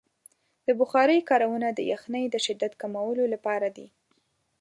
د بخارۍ کارونه د یخنۍ د شدت کمولو لپاره دی.